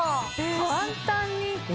簡単に。